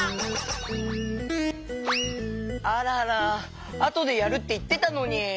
あららあとでやるっていってたのに。